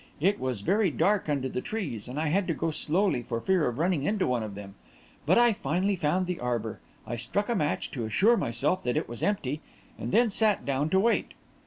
It was very dark under the trees, and I had to go slowly for fear of running into one of them. But I finally found the arbour. I struck a match to assure myself that it was empty, and then sat down to wait.